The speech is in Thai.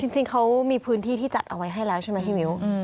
จริงเขามีพื้นที่ที่จัดเอาไว้ให้แล้วใช่ไหมพี่มิ้ว